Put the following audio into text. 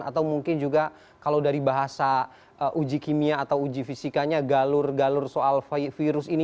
atau mungkin juga kalau dari bahasa uji kimia atau uji fisikanya galur galur soal virus ini